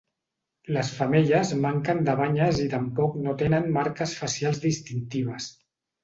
Les femelles manquen de banyes i tampoc no tenen marques facials distintives.